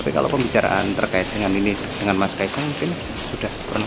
tapi kalau pembicaraan terkait dengan ini dengan mas kaisang mungkin sudah pernah